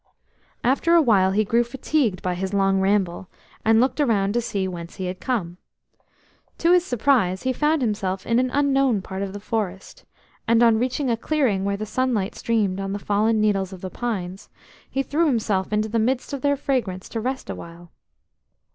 After a while he grew fatigued by his long ramble and looked around to see whence he had come. To his surprise he found himself in an unknown part of the forest, and on reaching a clearing where the sunlight streamed on the fallen needles of the pines, he threw himself into the midst of their fragrance to rest awhile.